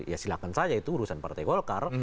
ya silahkan saja itu urusan partai golkar